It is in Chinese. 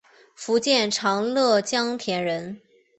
福建长乐江田人。